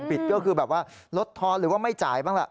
ก็คือแบบว่าลดทอนหรือว่าไม่จ่ายบ้างล่ะ